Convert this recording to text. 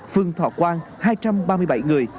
phường thọ quang hai trăm ba mươi bảy người